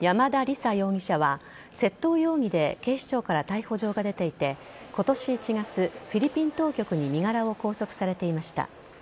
山田李沙容疑者は窃盗容疑で警視庁から逮捕状が出ていて今年１月、フィリピン当局に身柄を拘束されていました。